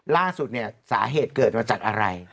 ล่าสุดเนี่ยสาเหตุเกิดมาจากอะไร